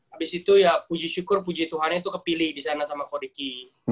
abis itu ya puji syukur puji tuhan itu kepilih disana sama koriki